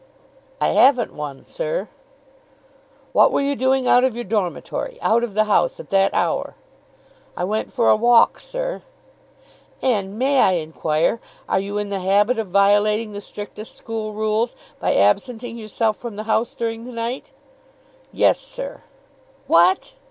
"I haven't one, sir." "What were you doing out of your dormitory, out of the house, at that hour?" "I went for a walk, sir." "And, may I inquire, are you in the habit of violating the strictest school rules by absenting yourself from the house during the night?" "Yes, sir." "What?"